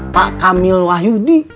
pak kamil wahyudi